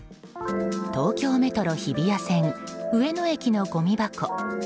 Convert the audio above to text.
東京メトロ日比谷線上野駅のごみ箱。